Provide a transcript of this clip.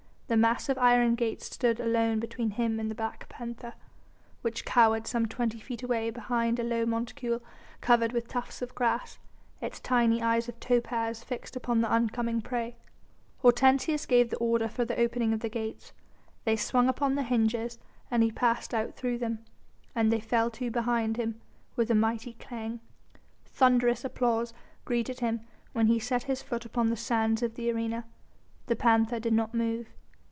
The massive iron gates stood alone between him and the black panther, which cowered some twenty feet away behind a low monticule covered with tufts of grass, its tiny eyes of topaz fixed upon the oncoming prey. Hortensius gave the order for the opening of the gates. They swung upon their hinges and he passed out through them. And they fell to behind him with a mighty clang. Thunderous applause greeted him when he set his foot upon the sands of the arena. The panther did not move.